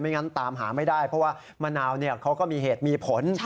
งั้นตามหาไม่ได้เพราะว่ามะนาวเขาก็มีเหตุมีผล